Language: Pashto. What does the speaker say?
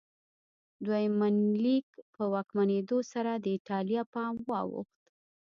دویم منیلیک په واکمنېدو سره د ایټالیا پام واوښت.